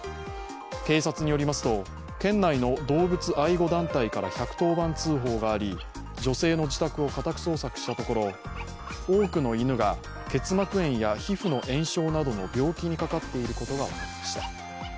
警察によりますと、県内の動物愛護団体から１１０番通報があり女性の自宅を家宅捜索したところ多くの犬が結膜炎や皮膚の炎症などの病気にかかっていることが分かりました。